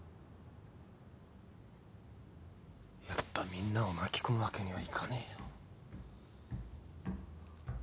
やっぱみんなを巻き込むわけにはいかねえよ。